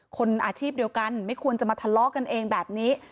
คนอาชีพเดียวกันไม่ควรจะมาทะเลาะกันเองแบบนี้